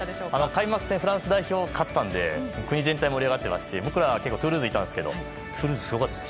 開幕戦、フランス代表が勝ったので国全体が盛り上がっていますし僕らはトゥールーズにいたんですけどすごかったです。